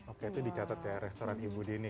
oke itu dicatat ya restoran ibu dini